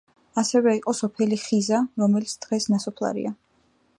ასევე იყო სოფელი ხიზა, რომელიც დღეს ნასოფლარია.